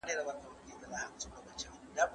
ماشومانو د کلا په شریکه کوڅه کې لوبې کولې.